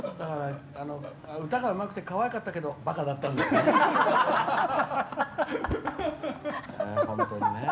歌がうまくてかわいかったけどバカだったんですね。